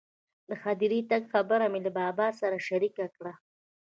د هدیرې تګ خبره مې له بابا سره شریکه کړه.